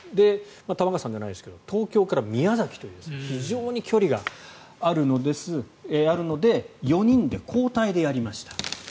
玉川さんじゃないですけど東京から宮崎という非常に距離があるので４人で交代でやりました。